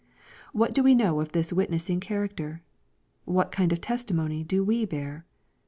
What do we know of this witnessing character ? What kind of testimony do we bear